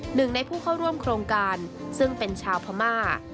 หนึ่งในผู้เข้าร่วมโครงการซึ่งเป็นชาวพม่า